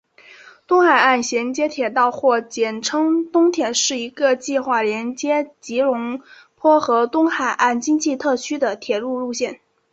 东海岸衔接铁道或简称东铁是一个计划连接吉隆坡和东海岸经济特区的铁路路线。